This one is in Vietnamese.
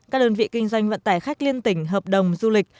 các đơn vị kinh doanh vận tải khách liên tỉnh hợp đồng du lịch